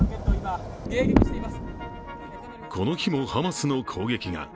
この日もハマスの攻撃が。